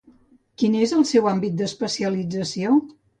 Quin és el seu àmbit d'especialització?